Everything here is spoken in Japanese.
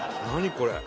これ。